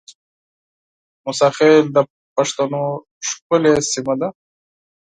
موساخېل د بښتنو ښکلې سیمه ده